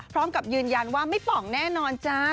พร้อมกับยืนยันว่าไม่ป่องแน่นอนจ้า